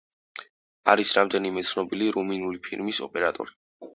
არის რამდენიმე ცნობილი რუმინული ფილმის ოპერატორი.